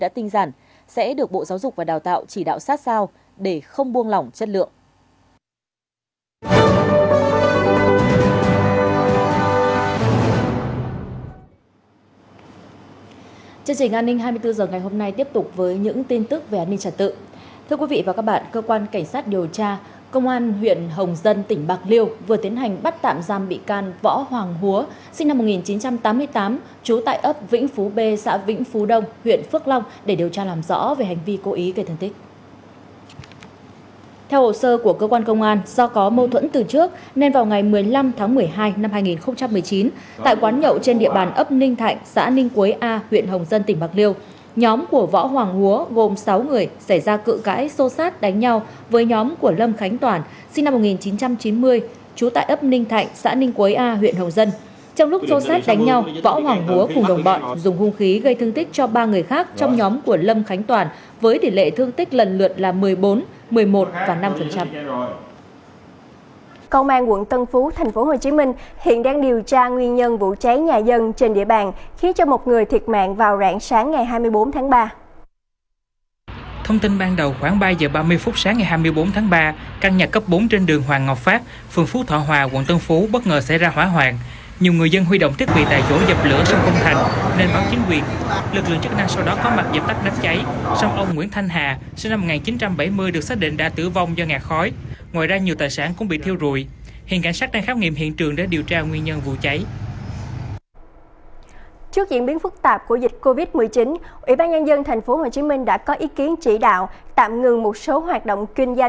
trước diễn biến phức tạp của dịch covid một mươi chín ủy ban nhân dân tp hcm đã có ý kiến chỉ đạo tạm ngừng một số hoạt động kinh doanh trên địa bàn thành phố kể từ một mươi tám h chiều nay ngày hai mươi bốn tháng ba